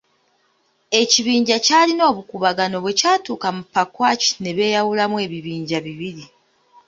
Ekibinja kyalina obukuubagano bwe kyatuuka mu Pakwach ne beeyawulamu ebibinja bibiri.